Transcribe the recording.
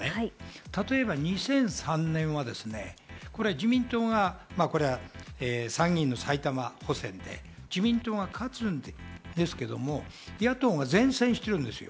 例えば２００３年は自民党が参議院の埼玉補選で自民党が勝つんですけど、野党が善戦してるんですよ。